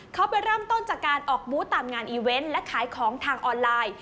เขาไปเริ่มต้นจากการออกบูธตามงานอีเวนต์และขายของทางออนไลน์